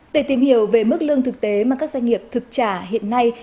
để tìm hiểu về mức lương thực tế mà các doanh nghiệp thực trả hiện nay